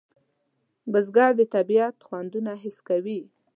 بزګر د طبیعت خوندونه حس کوي